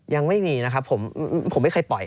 ยังไม่มีนะครับผมไม่เคยปล่อย